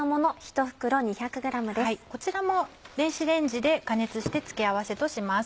こちらも電子レンジで加熱してつけ合わせとします。